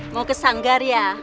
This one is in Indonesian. mau ke sanggar ya